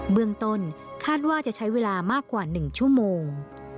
เมืองต้นคาดว่าจะใช้เวลามากกว่า๑ชั่วโมง